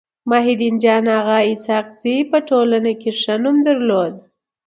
مولوي محي الدين جان اغا اسحق زي په ټولنه کي ښه نوم درلود.